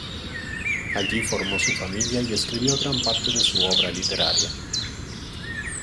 Allí formó su familia y escribió gran parte de su obra literaria.